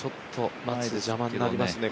松、邪魔になりますね。